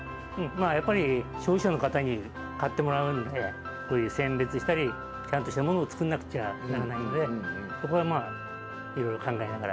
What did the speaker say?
やっぱり消費者の方に買ってもらうんでこういう選別したりちゃんとしたものを作んなくちゃならないのでそこはまあいろいろ考えながら。